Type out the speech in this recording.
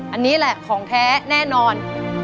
อันนี้แหละของแท้แน่นอน